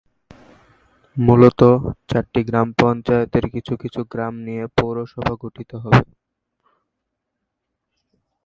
মূলত, চারটি গ্রাম পঞ্চায়েতের কিছু কিছু গ্রাম নিয়ে পুরসভা গঠিত হবে।